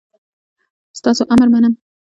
ستاسو امر منم